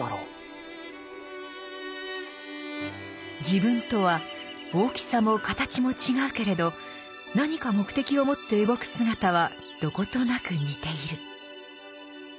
自分とは大きさも形も違うけれど何か目的をもって動く姿はどことなく似ている。